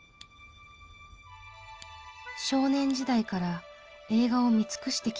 少年時代から映画を見尽くしてきた大林さん。